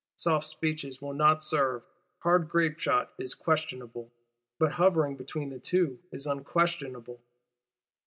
Soft speeches will not serve; hard grape shot is questionable; but hovering between the two is _un_questionable.